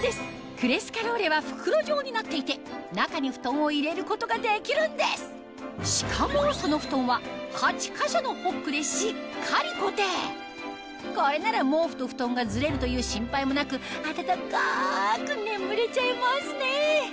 クレスカローレは袋状になっていてしかもその布団は８か所のホックでしっかり固定これなら毛布と布団がずれるという心配もなく暖かく眠れちゃいますね